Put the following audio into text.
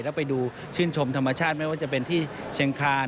แล้วไปดูชื่นชมธรรมชาติไม่ว่าจะเป็นที่เชียงคาน